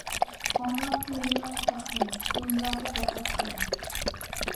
ئانا تىل مېنىڭ پەخرىم، ئىملاغا دىققەت قىلىڭ!